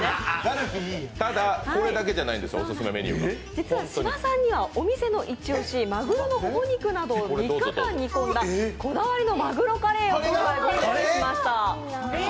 実は芝さんにはお店のイチ押し、マグロのほほ肉などを３日間煮込んだこだわりのマグロカレーをご用意しました。